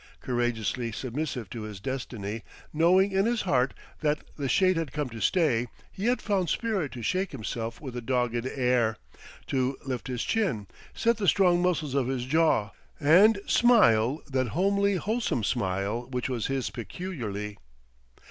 Courageously submissive to his destiny, knowing in his heart that the Shade had come to stay, he yet found spirit to shake himself with a dogged air, to lift his chin, set the strong muscles of his jaw, and smile that homely wholesome smile which was his peculiarly.